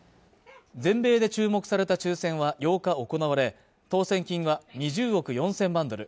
全米で注目された抽選は８日行われ当せん金は２０億４０００万ドル